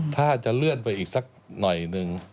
ถ้าจะเลื่อนไปอีกสักหน่อยหนึ่ง